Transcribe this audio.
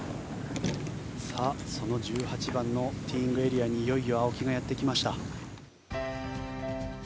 さあ、その１８番のティーイングエリアにいよいよ青木がやってきました。